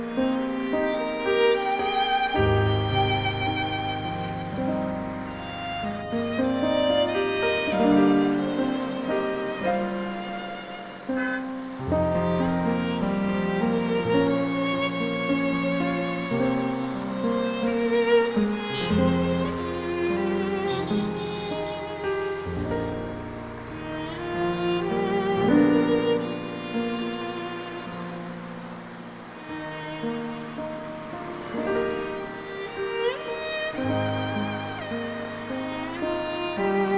terima kasih jendral